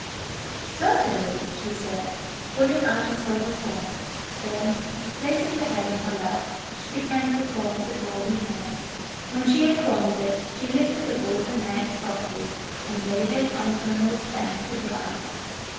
"Certainly," she said, pulling out her silver comb. Then, placing the head on her lap, she began to comb the golden hair. When she had combed it, she lifted the golden 224 ENGLISH FAIRY TALES head softly, and laid it on a primrose bank to dry.